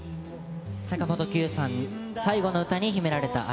坂本九さん、最後の歌に秘められた愛。